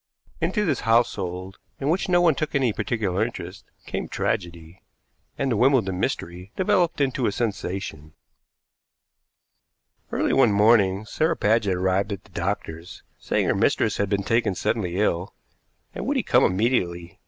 Into this household, in which no one took any particular interest, came tragedy, and the Wimbledon mystery developed into a sensation. Early one morning Sarah Paget arrived at the doctor's, saying her mistress had been taken suddenly ill, and would he come immediately.